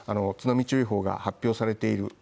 津波注意報が発表されている